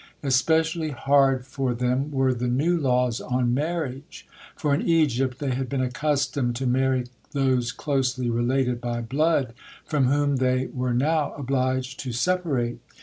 Especially hard for them were the new laws on marriage, for in Egypt they had been accustomed to marry those closely related by blood, from whom they were now obliged to separate.